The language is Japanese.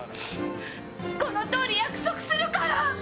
このとおり、約束するから。